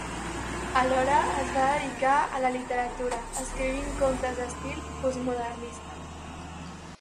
Alhora, es dedicà a la literatura, escrivint contes d'estil postmodernista.